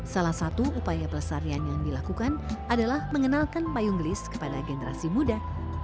salah satu upaya pelestarian yang dilakukan adalah mengenalkan payung gelis kepada generasi muda